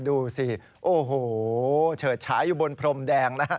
ดูสิโอ้โหเฉิดฉายอยู่บนพรมแดงนะฮะ